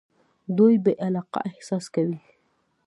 دوی بې علاقه احساس کوي.